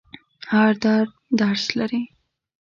هر درد درس لري.